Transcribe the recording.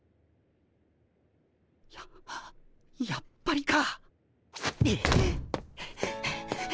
ややっぱりか！